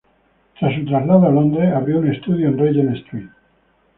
Tras su traslado a Londres abrió un estudio en "Regent Street".